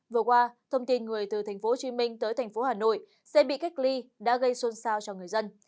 vừa qua thông tin người từ tp hcm tới tp hcm sẽ bị cách ly đã gây xuân sao cho người dân